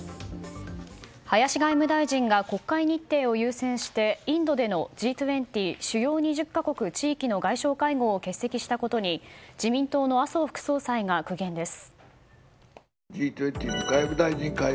林外務大臣が国会日程を優先してインドでのＧ２０・主要２０か国・地域の外相会合を欠席したことに自民党の麻生副総裁が苦言です。